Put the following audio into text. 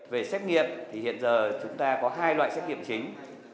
về xét nghiệm thì hiện giờ chúng ta có hai loại xét nghiệm chính